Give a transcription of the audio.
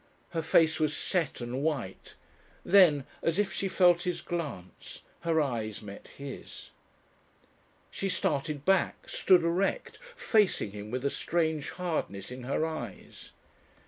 Her face was set and white. Then, as if she felt his glance, her eyes met his. She started back, stood erect, facing him with a strange hardness in her eyes.